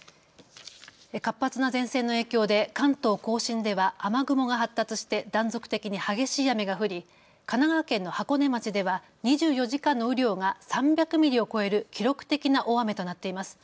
活発な前線の影響で関東甲信では雨雲が発達して断続的に激しい雨が降り神奈川県の箱根町では２４時間の雨量が３００ミリを超える記録的な大雨となっています。